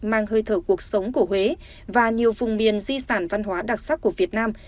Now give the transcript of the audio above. mang hơi thở cuộc sống của huế và nhiều vùng miền di sản văn hóa đặc sắc của việt nam